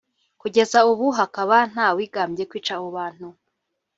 kugeza ubu hakaba ntawigambye kwica abo bantu